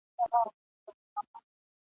دومره لوړ اسمان ته څوک نه وه ختلي ..